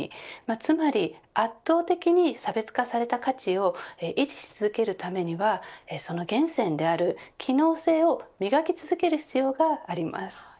つまり圧倒的に差別化された価値を維持し続けるためにはその源泉である機能性を磨き続ける必要があります。